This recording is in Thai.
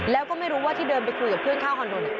แล้วก็ไม่รู้ว่าที่เดินไปคุยกับเพื่อนข้างคอนโด